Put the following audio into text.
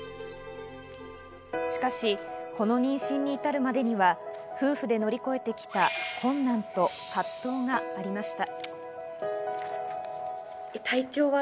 しかしこの妊娠に至るまでには、夫婦で乗り越えてきた困難と葛藤がありました。